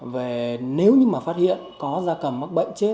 về nếu như mà phát hiện có da cầm mắc bệnh chết